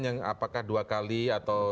yang apakah dua kali atau